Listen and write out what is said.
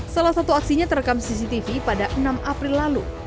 salah satu aksinya terekam cctv pada enam april lalu